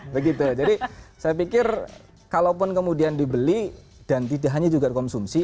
begitu jadi saya pikir kalaupun kemudian dibeli dan tidak hanya juga konsumsi